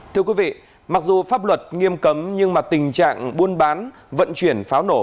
thưa quý vị mặc dù pháp luật nghiêm cấm nhưng mà tình trạng buôn bán vận chuyển pháo nổ